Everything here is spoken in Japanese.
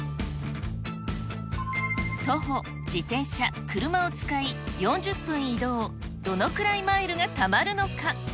徒歩、自転車、車を使い、４０分移動、どのくらいマイルがたまるのか。